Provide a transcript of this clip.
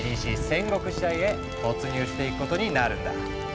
戦国時代へ突入していくことになるんだ。